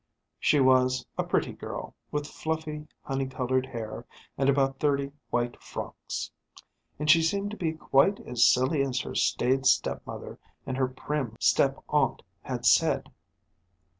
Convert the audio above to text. She was a pretty girl, with fluffy honey coloured hair and about thirty white frocks. And she seemed to be quite as silly as her staid stepmother and her prim step aunt had said.